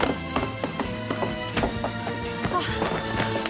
あっ。